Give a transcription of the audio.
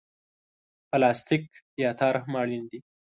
پلاستیک یا تار هم اړین دي.